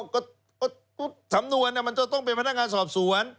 ก็สำนวนมันจะต้องเป็นพนักงานสอบสวน